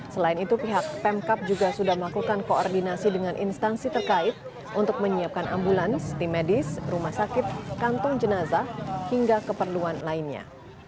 selain itu pihak pemkap juga sudah melakukan koordinasi dengan instansi terkait untuk menyiapkan ambulans tim medis rumah sakit kantong jenazah hingga keperluan lainnya